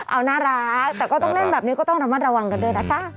เอาน่ารักแต่ก็ต้องเล่นแบบนี้ก็ต้องระมัดระวังกันด้วยนะคะ